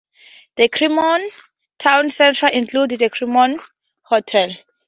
The Cremorne Town Centre includes the Cremorne Hotel.